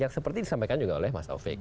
yang seperti disampaikan juga oleh mas taufik